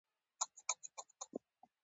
افغانستان د فاریاب له پلوه متنوع دی.